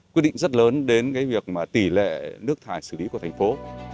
quyết định rất lớn đến cái việc mà tỷ lệ nước thải xử lý của thành phố